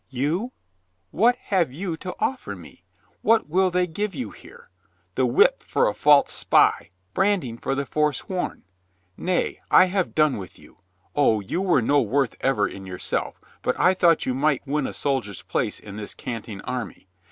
"You — what have you to offer me? What will they give you here? The whip for a false spy, branding for the foresworn. Nay, I have done with you. O, you were no worth ever in yourself, but I thought you might win a soldier's place in this cant ing army.